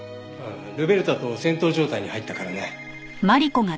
ルベルタと戦闘状態に入ったからね。